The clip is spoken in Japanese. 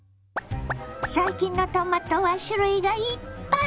最近のトマトは種類がいっぱい！